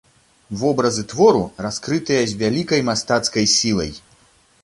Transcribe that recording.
Вобразы твору раскрытыя з вялікай мастацкай сілай.